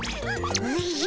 おじゃ。